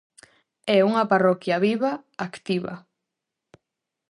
É unha parroquia viva, activa.